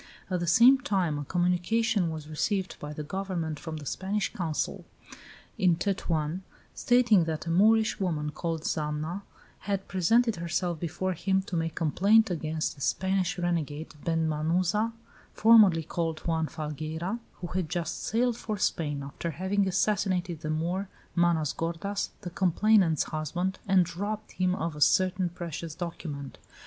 At the same time a communication was received by the government from the Spanish Consul in Tetuan, stating that a Moorish woman called Zama had presented herself before him to make complaint against the Spanish renegade, Ben Manuza, formerly called Juan Falgueira, who had just sailed for Spain, after having assassinated the Moor, Manos gordas, the complainant's husband, and robbed him of a certain precious document.